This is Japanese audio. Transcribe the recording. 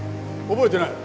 覚えてない？